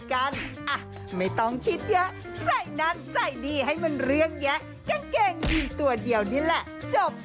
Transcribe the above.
กางเกงยินตัวเดียวนี่แหละจบ